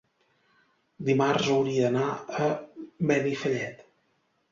dimarts hauria d'anar a Benifallet.